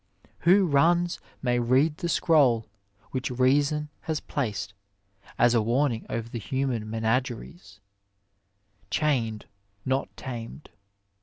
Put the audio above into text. (Marion Crawford.) Who runs may read the scroll which reason has placed as a warning over the human menageries :" chained, not tamed."